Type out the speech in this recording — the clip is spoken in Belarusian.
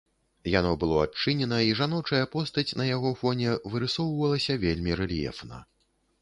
Яно было адчынена, і жаночая постаць на яго фоне вырысоўвалася вельмі рэльефна.